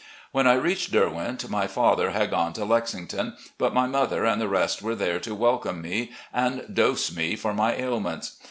When I reached "Derwent" my father had gone to Lexington, but my mother and the rest were there to welcome me and dose me for my ailments.